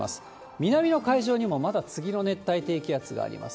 南の海上にも、まだ次の熱帯低気圧があります。